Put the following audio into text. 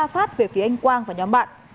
ba phát về phía anh quang và nhóm bạn